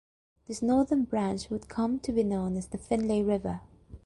This northern branch would come to be known as the Finlay River.